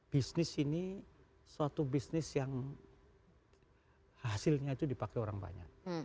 bisnis ini suatu bisnis yang hasilnya itu dipakai orang banyak